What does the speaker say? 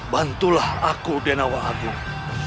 bantulah aku denawa agung